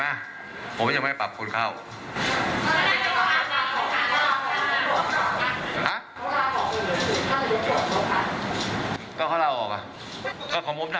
การจับทันวิทยาลัยเลยค่ะ